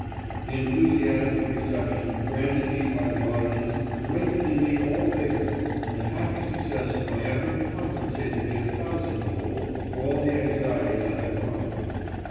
... The enthusiastic reception granted me by the audience awakened in me all vigour, and the happy success of my effort compensated me a thousandfold for all the anxieties I had gone through.